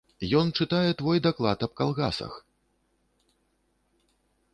Ён чытае твой даклад аб калгасах!